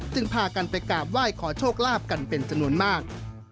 พากันไปกราบไหว้ขอโชคลาภกันเป็นจำนวนมาก